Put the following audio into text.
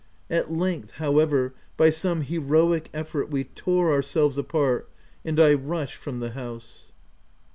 At length, however, by some heroic effort, we tore ourselves apart, and I rushed from the house.